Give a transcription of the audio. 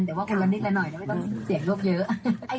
แต่ว่าคนละนิดละหน่อยนะไม่ต้องเสี่ยงโลกเยอะ